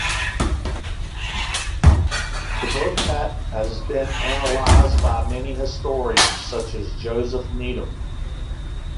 The book has been analyzed by many historians, such as Joseph Needham.